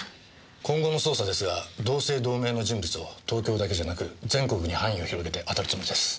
今後の捜査ですが同姓同名の人物を東京だけじゃなく全国に範囲を広げて当たるつもりです。